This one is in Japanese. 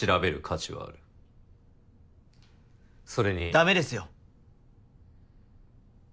ダメですよ。